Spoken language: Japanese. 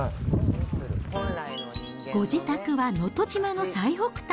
ご自宅は能登島の最北端。